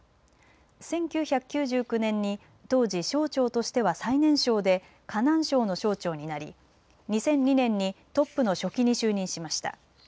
１９９９年に当時、省長としては最年少で河南省の省長になり２００２年にトップの書記に就任しました。